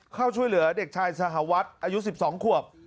เข้าช่วยเหลือเด็กชายสหวัดอายุ๑๒ขวบ